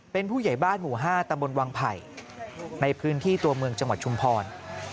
เป็นผู้ใหญ่บ้านหมู่๕ตำบลวังไผ่ในพื้นที่ตัวเมืองจังหวัดชุมพร